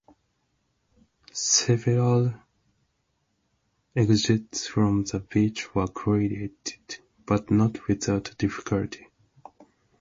Several exits from the beach were created, but not without difficulty.